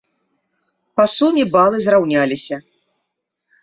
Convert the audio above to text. Па суме балы зраўняліся.